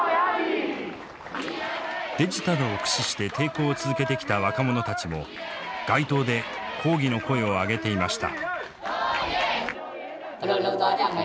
デジタルを駆使して抵抗を続けてきた若者たちも街頭で抗議の声を上げていました。